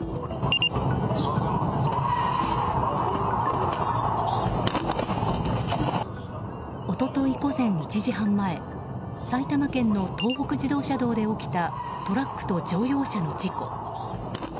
一昨日午前１時半前埼玉県の東北自動車道で起きたトラックと乗用車の事故。